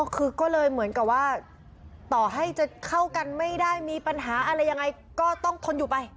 คือก็เลยเหมือนกับว่าต่อให้จะเข้ากันไม่ได้มีปัญหาอะไรยังไงก็ต้องทนอยู่ไป